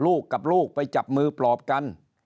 ลูกกับลูกไปจับมือปลอบกัน